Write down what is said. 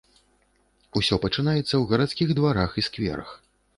Усё пачынаецца ў гарадскіх дварах і скверах.